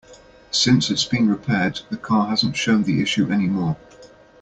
Since it's been repaired, the car hasn't shown the issue any more.